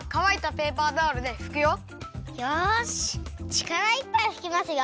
ちからいっぱいふきますよ！